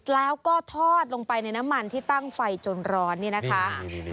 แล้วก็ทอดลงไปในน้ำมันที่ตั้งไฟจนร้อนนี่นะคะ